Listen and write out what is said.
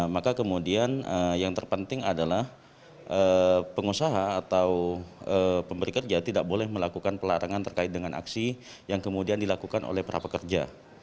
maka kemudian yang terpenting adalah pengusaha atau pemberi kerja tidak boleh melakukan pelarangan terkait dengan aksi yang kemudian dilakukan oleh para pekerja